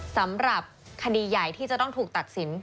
สำหรับคดีใหญ่ที่จะต้องถูกตัดสิน